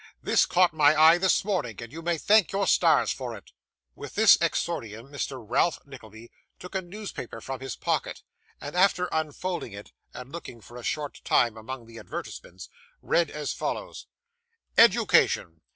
'This caught my eye this morning, and you may thank your stars for it.' With this exordium, Mr. Ralph Nickleby took a newspaper from his pocket, and after unfolding it, and looking for a short time among the advertisements, read as follows: '"EDUCATION.